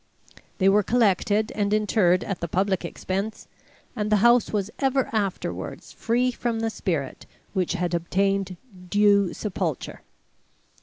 They were collected and interred at the public expense, and the house was ever afterwards free from the spirit, which had obtained due sepulture.